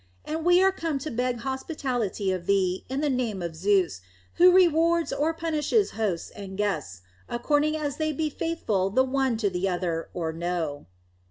And we are come to beg hospitality of thee in the name of Zeus, who rewards or punishes hosts and guests according as they be faithful the one to the other, or no."